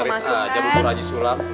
makin laris aja bapak haji sulam